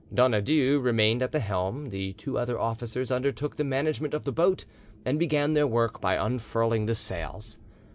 Donadieu remained at the helm, the two other officers undertook the management of the boat, and began their work by unfurling the sails.